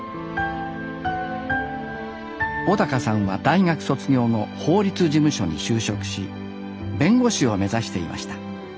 小さんは大学卒業後法律事務所に就職し弁護士を目指していました。